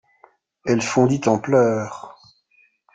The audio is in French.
Elle fondit en pleurs.